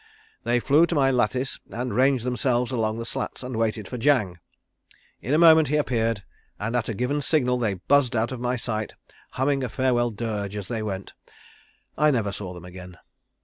They flew to my lattice and ranged themselves along the slats and waited for Jang. In a moment he appeared and at a given signal they buzzed out of my sight, humming a farewell dirge as they went. I never saw them again."